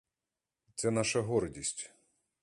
Це — наша гордість.